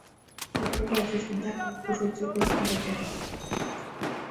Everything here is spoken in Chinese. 企划书中的剧情大纲与播出的最终版本之间存在巨大差异。